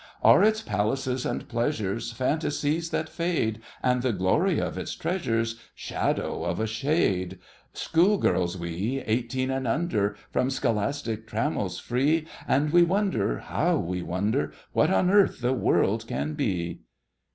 Are its palaces and pleasures Fantasies that fade? And the glory of its treasures Shadow of a shade? Schoolgirls we, eighteen and under, From scholastic trammels free, And we wonder—how we wonder!— What on earth the world can be!